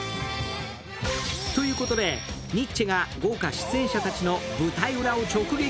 ということで、ニッチェが豪華出演者たちの舞台裏を直撃。